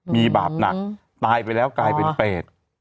มีบาปหนักตายไปแล้วกลายเป็นเปรต